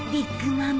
ママ。